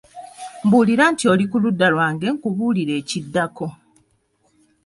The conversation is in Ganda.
Mbuulira nti oli ku ludda lwange nkubuulire ekiddako.